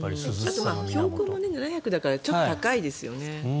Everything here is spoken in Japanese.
あと標高も７００だから高いですよね。